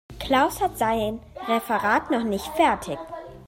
Klaus hat sein Referat noch nicht fertig.